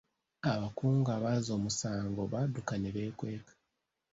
Abakungu abazza omusango badduka ne beekweka.